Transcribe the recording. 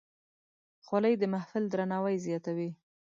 خولۍ د محفل درناوی زیاتوي.